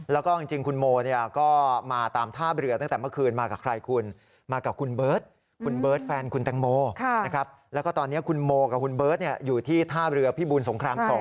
แล้วก็จริงคุณโมเนี่ยก็มาตามท่าเรือตั้งแต่เมื่อคืนมากับใครคุณมากับคุณเบิร์ตคุณเบิร์ตแฟนคุณแตงโมนะครับแล้วก็ตอนนี้คุณโมกับคุณเบิร์ตอยู่ที่ท่าเรือพิบูลสงคราม๒